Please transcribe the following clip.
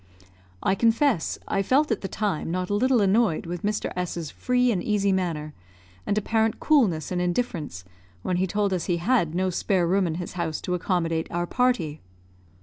I confess I felt at the time not a little annoyed with Mr. S 's free and easy manner, and apparent coolness and indifference when he told us he had no spare room in his house to accommodate our party.